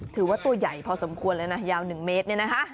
ถือว่าตัวใหญ่พอสมควรและยาว๑เมตร